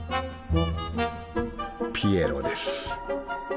ピエロです。